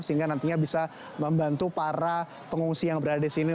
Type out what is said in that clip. sehingga nantinya bisa membantu para pengungsi yang berada di sini